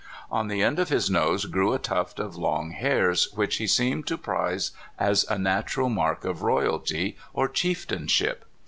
On the end of his nose grew a tuft of long hairs, which he seemed to prize as a natural mark of royalty or chieftainship.